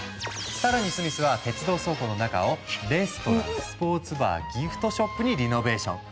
更にスミスは鉄道倉庫の中をレストランスポーツバーギフトショップにリノベーション。